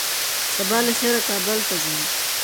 سبا له خيره کابل ته ځم